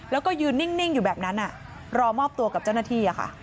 แล้วก็ยืนนิ่งอยู่แบบนั้นรอมอบตัวกับเจ้าหน้าที่ค่ะ